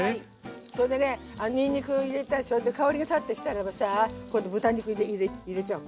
それでねにんにく入れてそれで香りが立ってきたらばさ今度豚肉入れちゃおう